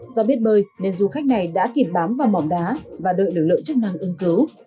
do biết bơi nên du khách này đã kịp bám vào mỏng đá và đợi lực lượng chức năng ưng cứu